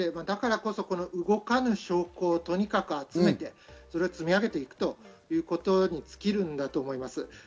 だからこそ動かぬ証拠をとにかく集めて、積み上げていくということに尽きるんだと思います。